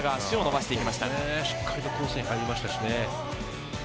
しっかりコースに入りましたね。